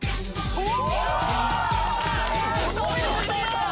うわ！